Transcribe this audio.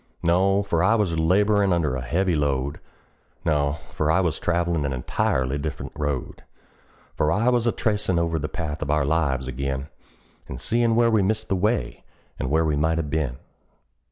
No for I was laborin' under a heavy load; No for I was travelin' an entirely different road; For I was a tracin' over the path of our lives ag'in, And seein' where we missed the way, and where we might have been.